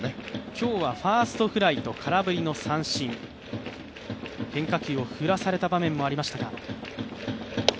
今日はファーストフライト三振、変化球を振らされた場面もありました。